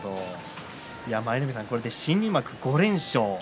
舞の海さん、新入幕５連勝